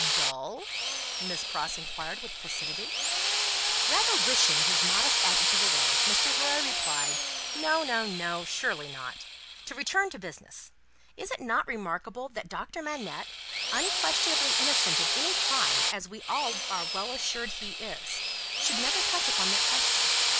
"Dull?" Miss Pross inquired, with placidity. Rather wishing his modest adjective away, Mr. Lorry replied, "No, no, no. Surely not. To return to business: Is it not remarkable that Doctor Manette, unquestionably innocent of any crime as we are all well assured he is, should never touch upon that question?